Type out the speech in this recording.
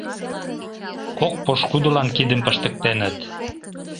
Кок пошкудылан кидым пыштыктеныт.